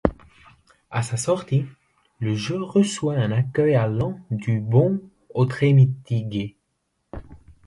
À sa sortie, le jeu reçoit un accueil allant du bon au très mitigé.